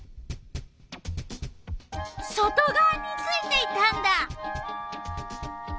外がわについていたんだ！